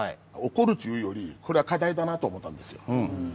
怒るというよりこれは課題だなと思ったんですよ。